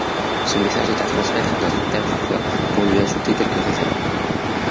ce message est à transmettre à notre intervieveur pour lui ajouter quelques réserves